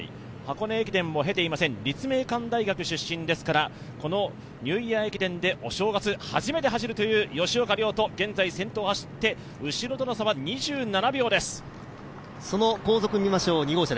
箱根駅伝も経ていません、立命館大学出身ですからニューイヤー駅伝でお正月、初めて走るという吉岡遼人、現在先頭を走って後ろとの差は２７秒です。